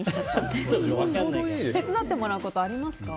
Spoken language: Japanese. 手伝ってもらうことありますか？